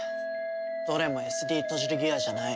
どれもＳＤトジルギアじゃない。